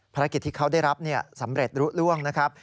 ภารกิจที่เขาได้รับสำเร็จรู้ล่วงนะครับ